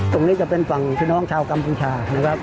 ตรงนี้จะเป็นฝั่งพี่น้องชาวกัมพูชานะครับ